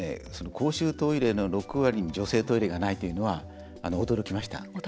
公衆トイレの６割に女性トイレがないというのは驚きました。